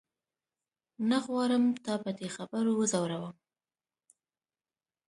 نه غواړم تا په دې خبرو وځوروم.